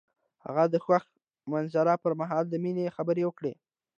هغه د خوښ منظر پر مهال د مینې خبرې وکړې.